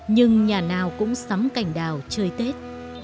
nhưng nhà nào cũng sắm cành đào chơi tết